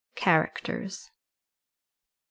CHARACTERS. Mrs.